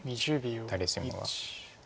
誰しもが。